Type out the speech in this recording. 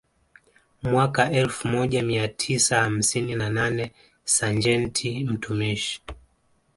Mwaka elfu moja mia tisa hamsini na nane Sajenti mtumishi